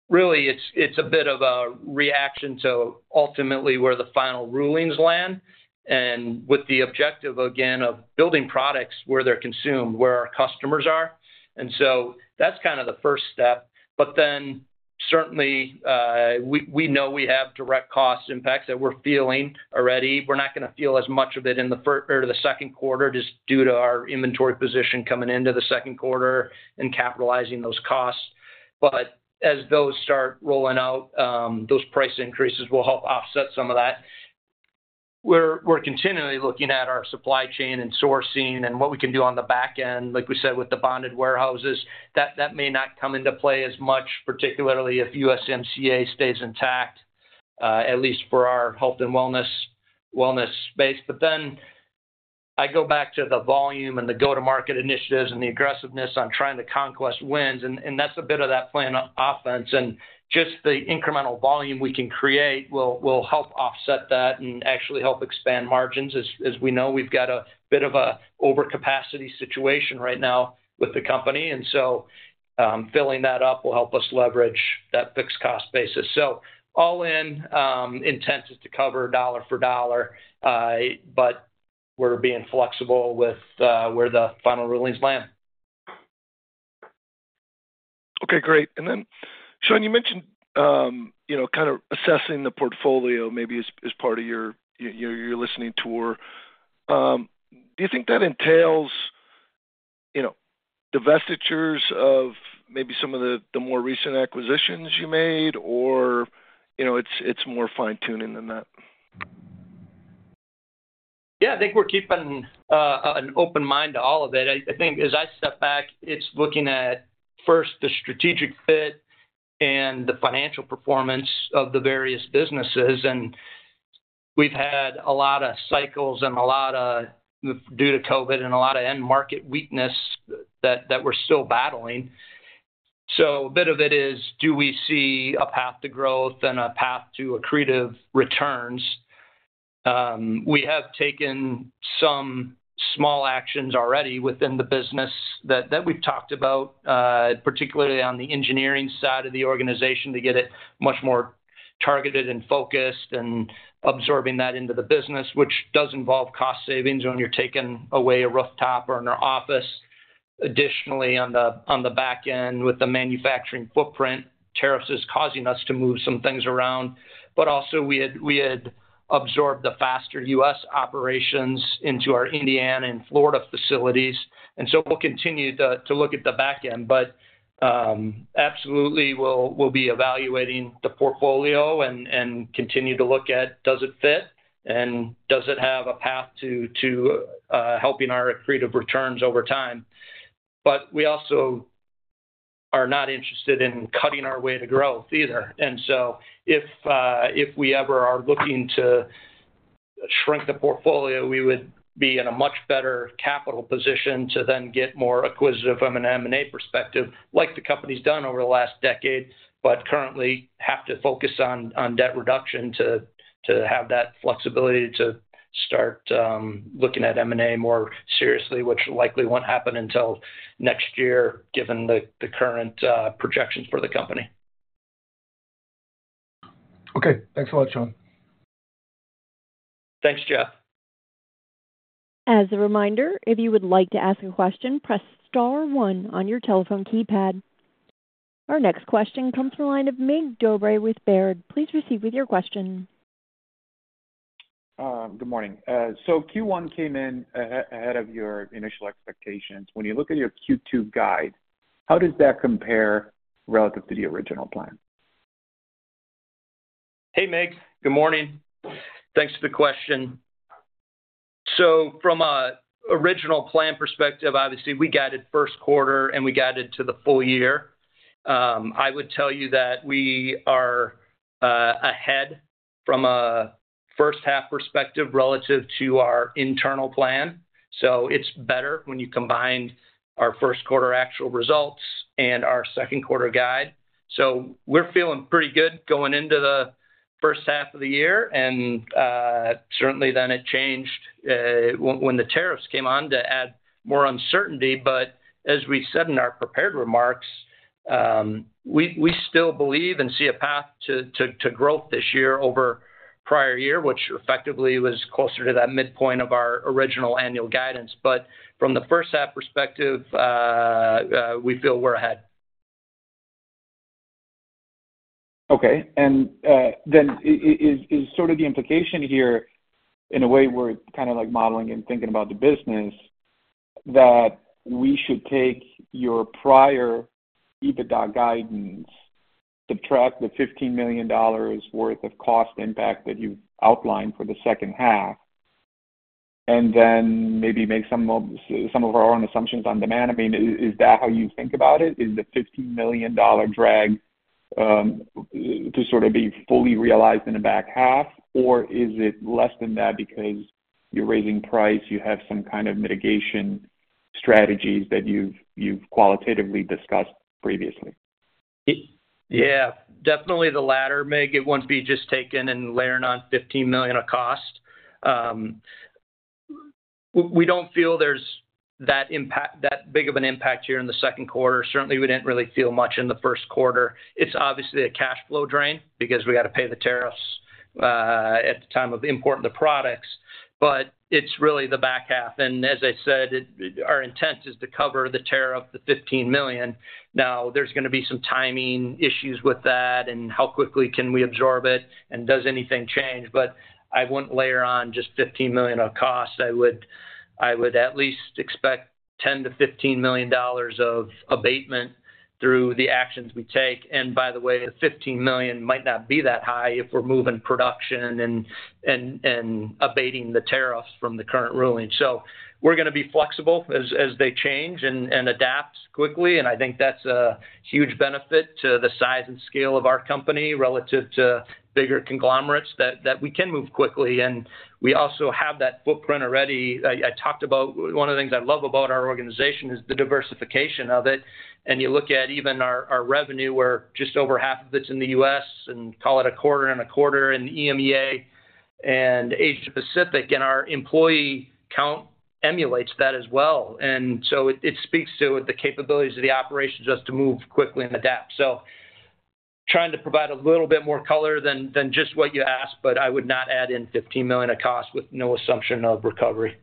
Really, it's a bit of a reaction to ultimately where the final rulings land and with the objective, again, of building products where they're consumed, where our customers are. That's kind of the first step. We know we have direct cost impacts that we're feeling already. We're not going to feel as much of it in the second quarter just due to our inventory position coming into the second quarter and capitalizing those costs. As those start rolling out, those price increases will help offset some of that. We're continually looking at our supply chain and sourcing and what we can do on the back end, like we said, with the bonded warehouses. That may not come into play as much, particularly if USMCA stays intact, at least for our health and wellness space. I go back to the volume and the go-to-market initiatives and the aggressiveness on trying to conquest wins. That's a bit of that plan of offense. Just the incremental volume we can create will help offset that and actually help expand margins. As we know, we've got a bit of an overcapacity situation right now with the company. Filling that up will help us leverage that fixed cost basis. All in, intent is to cover dollar for dollar, but we're being flexible with where the final rulings land. Okay, great. Sean, you mentioned kind of assessing the portfolio maybe as part of your listening tour. Do you think that entails the vestiges of maybe some of the more recent acquisitions you made, or it's more fine-tuning than that? Yeah, I think we're keeping an open mind to all of it. I think as I step back, it's looking at first the strategic fit and the financial performance of the various businesses. We've had a lot of cycles and a lot of, due to COVID and a lot of end market weakness that we're still battling. A bit of it is, do we see a path to growth and a path to accretive returns? We have taken some small actions already within the business that we've talked about, particularly on the engineering side of the organization to get it much more targeted and focused and absorbing that into the business, which does involve cost savings when you're taking away a rooftop or an office. Additionally, on the back end with the manufacturing footprint, tariffs is causing us to move some things around. Also, we had absorbed the Faster U.S. operations into our Indiana and Florida facilities. We will continue to look at the back end, but absolutely, we will be evaluating the portfolio and continue to look at, does it fit and does it have a path to helping our accretive returns over time? We also are not interested in cutting our way to growth either. If we ever are looking to shrink the portfolio, we would be in a much better capital position to then get more acquisitive from an M&A perspective, like the company has done over the last decade, but currently have to focus on debt reduction to have that flexibility to start looking at M&A more seriously, which likely will not happen until next year, given the current projections for the company. Okay. Thanks a lot, Sean. Thanks, Jeff. As a reminder, if you would like to ask a question, press star one on your telephone keypad. Our next question comes from a line of Mig Dobray with Baird. Please proceed with your question. Good morning. Q1 came in ahead of your initial expectations. When you look at your Q2 guide, how does that compare relative to the original plan? Hey, Mig. Good morning. Thanks for the question. From an original plan perspective, obviously, we guided first quarter and we guided to the full year. I would tell you that we are ahead from a first-half perspective relative to our internal plan. It is better when you combine our first-quarter actual results and our second-quarter guide. We are feeling pretty good going into the first half of the year. Certainly, it changed when the tariffs came on to add more uncertainty. As we said in our prepared remarks, we still believe and see a path to growth this year over prior year, which effectively was closer to that midpoint of our original annual guidance. From the first-half perspective, we feel we are ahead. Okay. And then is sort of the implication here in a way we're kind of modeling and thinking about the business that we should take your prior EBITDA guidance to track the $15 million worth of cost impact that you've outlined for the second half and then maybe make some of our own assumptions on demand? I mean, is that how you think about it? Is the $15 million drag to sort of be fully realized in the back half, or is it less than that because you're raising price, you have some kind of mitigation strategies that you've qualitatively discussed previously? Yeah, definitely the latter. Mig, it won't be just taken and layered on $15 million of cost. We don't feel there's that big of an impact here in the second quarter. Certainly, we didn't really feel much in the first quarter. It's obviously a cash flow drain because we got to pay the tariffs at the time of importing the products, but it's really the back half. As I said, our intent is to cover the tariff, the $15 million. Now, there's going to be some timing issues with that and how quickly can we absorb it and does anything change. I wouldn't layer on just $15 million of cost. I would at least expect $10 million-$15 million of abatement through the actions we take. By the way, the $15 million might not be that high if we're moving production and abating the tariffs from the current ruling. We're going to be flexible as they change and adapt quickly. I think that's a huge benefit to the size and scale of our company relative to bigger conglomerates that we can move quickly. We also have that footprint already. I talked about one of the things I love about our organization is the diversification of it. You look at even our revenue, just over half of it's in the U.S. and call it a quarter and a quarter in EMEA and Asia-Pacific, and our employee count emulates that as well. It speaks to the capabilities of the operations just to move quickly and adapt. Trying to provide a little bit more color than just what you asked, but I would not add in $15 million of cost with no assumption of recovery.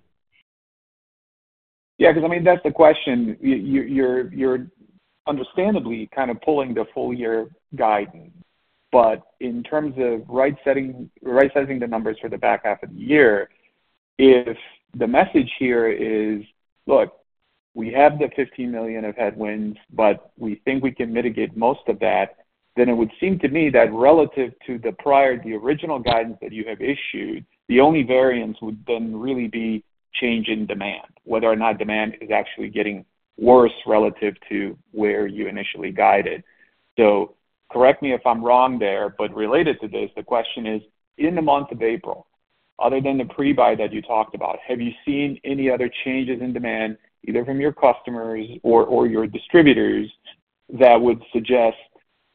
Yeah, because I mean, that's the question. You're understandably kind of pulling the full year guidance. But in terms of right-sizing the numbers for the back half of the year, if the message here is, "Look, we have the $15 million of headwinds, but we think we can mitigate most of that," then it would seem to me that relative to the original guidance that you have issued, the only variance would then really be change in demand, whether or not demand is actually getting worse relative to where you initially guided. So correct me if I'm wrong there, but related to this, the question is, in the month of April, other than the pre-buy that you talked about, have you seen any other changes in demand, either from your customers or your distributors, that would suggest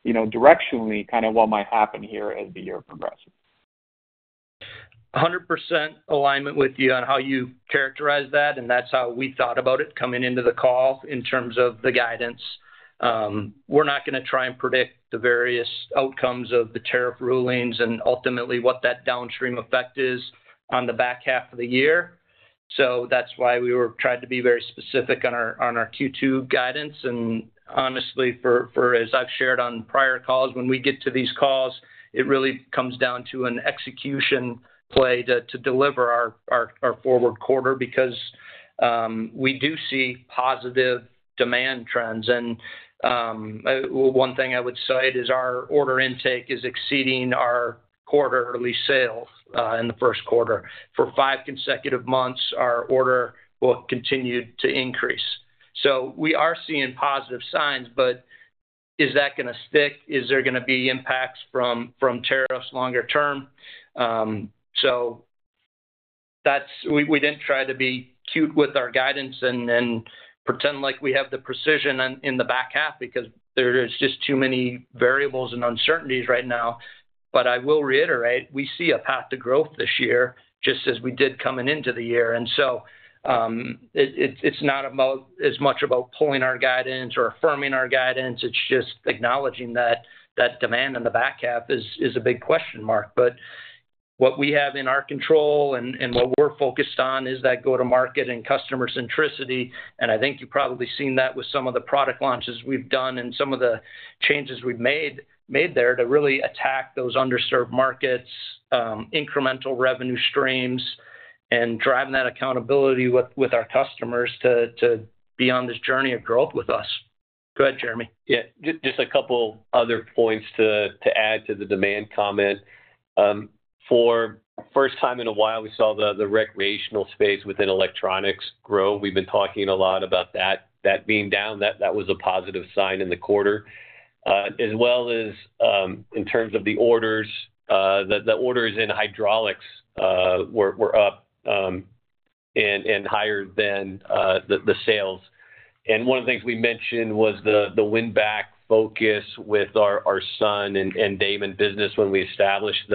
directionally kind of what might happen here as the year progresses? 100% alignment with you on how you characterize that. That is how we thought about it coming into the call in terms of the guidance. We are not going to try and predict the various outcomes of the tariff rulings and ultimately what that downstream effect is on the back half of the year. That is why we tried to be very specific on our Q2 guidance. Honestly, as I have shared on prior calls, when we get to these calls, it really comes down to an execution play to deliver our forward quarter because we do see positive demand trends. One thing I would cite is our order intake is exceeding our quarterly sales in the first quarter. For five consecutive months, our order will continue to increase. We are seeing positive signs, but is that going to stick? Is there going to be impacts from tariffs longer term? We didn't try to be cute with our guidance and pretend like we have the precision in the back half because there are just too many variables and uncertainties right now. I will reiterate, we see a path to growth this year just as we did coming into the year. It is not as much about pulling our guidance or affirming our guidance. It is just acknowledging that demand in the back half is a big question mark. What we have in our control and what we're focused on is that go-to-market and customer centricity. I think you've probably seen that with some of the product launches we've done and some of the changes we've made there to really attack those underserved markets, incremental revenue streams, and driving that accountability with our customers to be on this journey of growth with us. Go ahead, Jeremy. Yeah. Just a couple other points to add to the demand comment. For the first time in a while, we saw the recreational space within electronics grow. We've been talking a lot about that being down. That was a positive sign in the quarter, as well as in terms of the orders. The orders in Hydraulics were up and higher than the sales. One of the things we mentioned was the win-back focus with our Sun and Daman business. When we established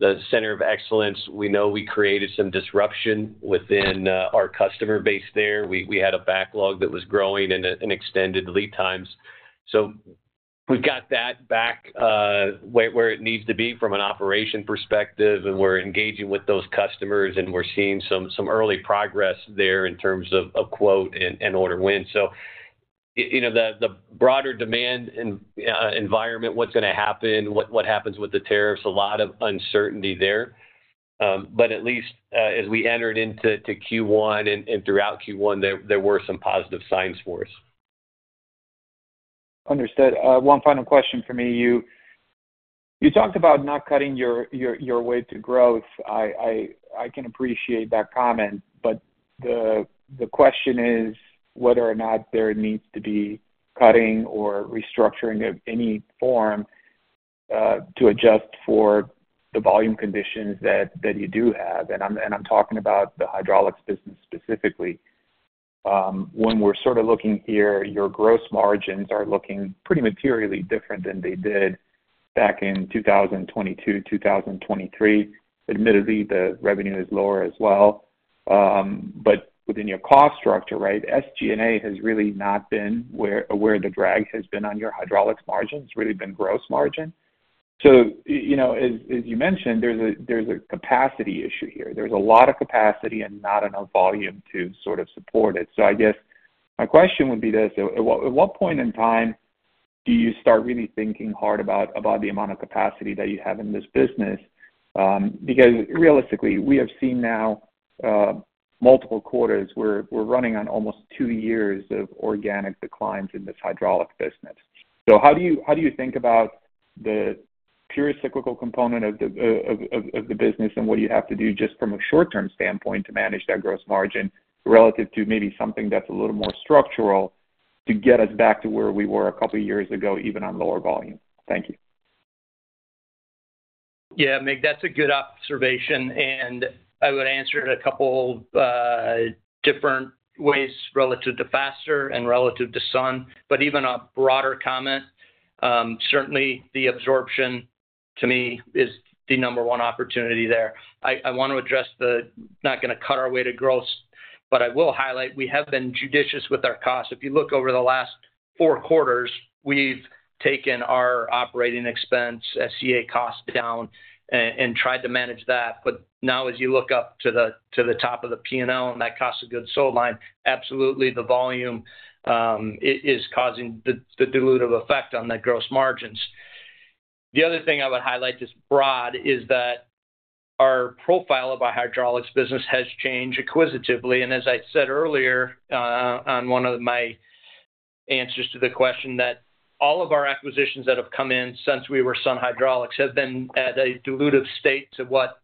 the center of excellence, we know we created some disruption within our customer base there. We had a backlog that was growing and extended lead times. We have got that back where it needs to be from an operation perspective. We are engaging with those customers, and we are seeing some early progress there in terms of quote and order win. The broader demand environment, what's going to happen, what happens with the tariffs, a lot of uncertainty there. At least as we entered into Q1 and throughout Q1, there were some positive signs for us. Understood. One final question for me. You talked about not cutting your way to growth. I can appreciate that comment. The question is whether or not there needs to be cutting or restructuring of any form to adjust for the volume conditions that you do have. I'm talking about the hydraulics business specifically. When we're sort of looking here, your gross margins are looking pretty materially different than they did back in 2022, 2023. Admittedly, the revenue is lower as well. Within your cost structure, right, SG&A has really not been where the drag has been on your hydraulics margins. It's really been gross margin. As you mentioned, there's a capacity issue here. There's a lot of capacity and not enough volume to sort of support it. I guess my question would be this. At what point in time do you start really thinking hard about the amount of capacity that you have in this business? Because realistically, we have seen now multiple quarters where we're running on almost two years of organic declines in this Hydraulics business. How do you think about the pure cyclical component of the business and what you have to do just from a short-term standpoint to manage that gross margin relative to maybe something that's a little more structural to get us back to where we were a couple of years ago, even on lower volume? Thank you. Yeah, Mig, that's a good observation. I would answer it a couple different ways relative to Faster and relative to Sun. Even a broader comment, certainly the absorption to me is the number one opportunity there. I want to address the not going to cut our way to growth, but I will highlight we have been judicious with our costs. If you look over the last four quarters, we've taken our operating expense, SG&A costs down, and tried to manage that. Now as you look up to the top of the P&L and that cost of goods sold line, absolutely the volume is causing the dilutive effect on the gross margins. The other thing I would highlight just broad is that our profile of our Hydraulics business has changed acquisitively. As I said earlier on one of my answers to the question, all of our acquisitions that have come in since we were Sun Hydraulics have been at a dilutive state to what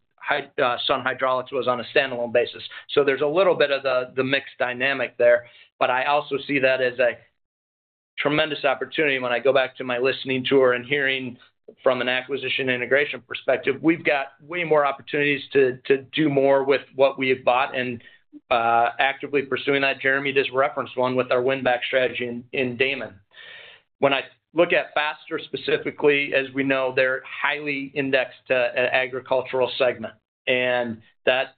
Sun Hydraulics was on a standalone basis. There is a little bit of the mixed dynamic there. I also see that as a tremendous opportunity when I go back to my listening tour and hearing from an acquisition integration perspective. We have way more opportunities to do more with what we have bought and are actively pursuing that. Jeremy just referenced one with our win-back strategy in Daman. When I look at Faster specifically, as we know, they are highly indexed to the agricultural segment. That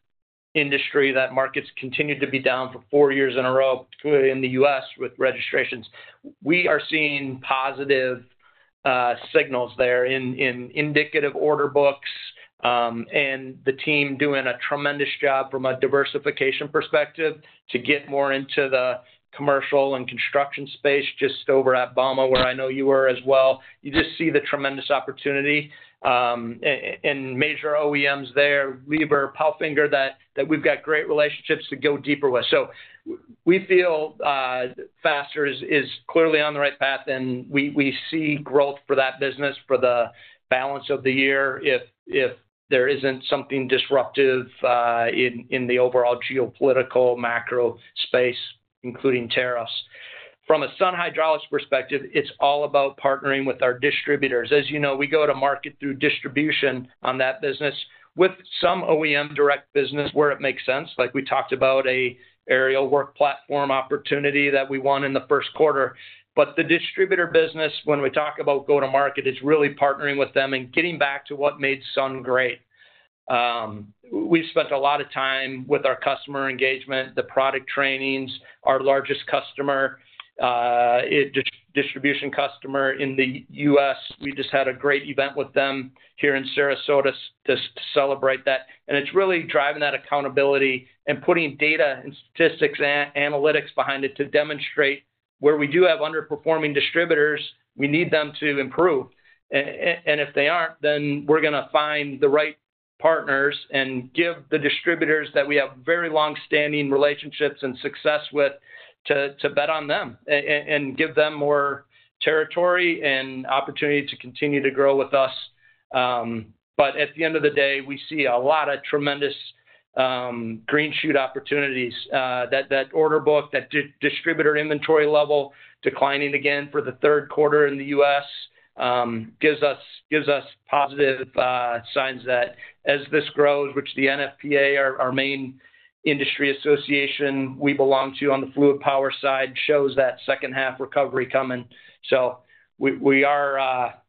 industry, that market has continued to be down for four years in a row in the U.S. with registrations. We are seeing positive signals there in indicative order books and the team doing a tremendous job from a diversification perspective to get more into the commercial and construction space just over at Bauma where I know you were as well. You just see the tremendous opportunity and major OEMs there, Liebherr, PALFINGER that we've got great relationships to go deeper with. We feel Faster is clearly on the right path, and we see growth for that business for the balance of the year if there isn't something disruptive in the overall geopolitical macro space, including tariffs. From a Sun Hydraulics perspective, it's all about partnering with our distributors. As you know, we go to market through distribution on that business with some OEM direct business where it makes sense. Like we talked about an aerial work platform opportunity that we won in the first quarter. The distributor business, when we talk about go-to-market, is really partnering with them and getting back to what made Sun great. We've spent a lot of time with our customer engagement, the product trainings, our largest distribution customer in the U.S. We just had a great event with them here in Sarasota to celebrate that. It's really driving that accountability and putting data and statistics and analytics behind it to demonstrate where we do have underperforming distributors, we need them to improve. If they aren't, then we're going to find the right partners and give the distributors that we have very long-standing relationships and success with to bet on them and give them more territory and opportunity to continue to grow with us. At the end of the day, we see a lot of tremendous green shoot opportunities. That order book, that distributor inventory level declining again for the third quarter in the U.S. gives us positive signs that as this grows, which the NFPA, our main industry association we belong to on the fluid power side, shows that second-half recovery coming. We are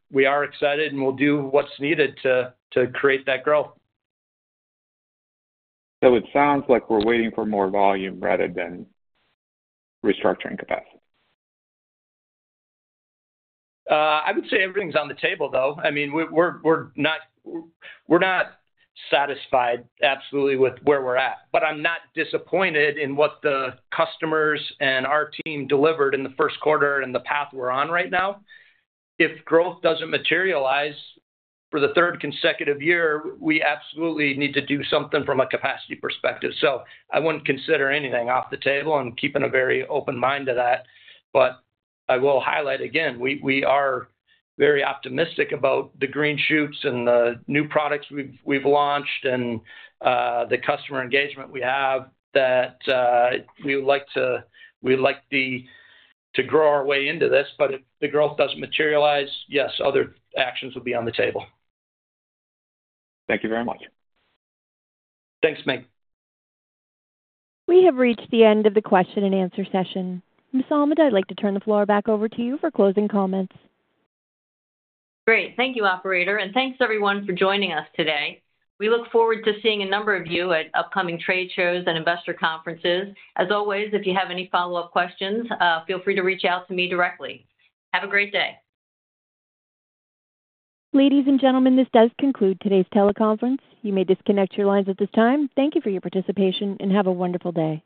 excited, and we'll do what's needed to create that growth. It sounds like we're waiting for more volume rather than restructuring capacity. I would say everything's on the table, though. I mean, we're not satisfied absolutely with where we're at. I am not disappointed in what the customers and our team delivered in the first quarter and the path we're on right now. If growth doesn't materialize for the third consecutive year, we absolutely need to do something from a capacity perspective. I would not consider anything off the table and am keeping a very open mind to that. I will highlight again, we are very optimistic about the green shoots and the new products we've launched and the customer engagement we have that we would like to grow our way into this. If the growth doesn't materialize, yes, other actions will be on the table. Thank you very much. Thanks, Mig. We have reached the end of the question-and-answer session. Ms. Almond, I'd like to turn the floor back over to you for closing comments. Great. Thank you, Operator. Thank you, everyone, for joining us today. We look forward to seeing a number of you at upcoming trade shows and investor conferences. As always, if you have any follow-up questions, feel free to reach out to me directly. Have a great day. Ladies and gentlemen, this does conclude today's teleconference. You may disconnect your lines at this time. Thank you for your participation, and have a wonderful day.